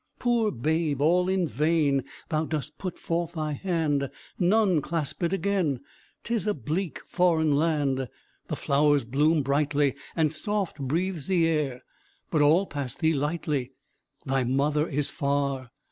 Poor babe, all in vain Thou dost put forth thy hand None clasp it again, 'Tis a bleak foreign land: The flowers bloom brightly, And soft breathes the air, But all pass thee lightly: Thy mother is far!